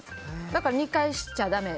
だから２回しちゃだめ。